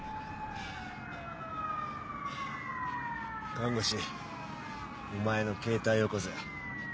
看護師お前の携帯よこせ。